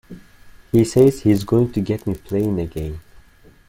He says he's going to get me playing again!